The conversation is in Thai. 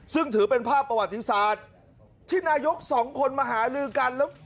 ซึ่งถือเป็นภาพประวัติศาสตร์ที่นายกสองคนมาหาลือกันแล้ว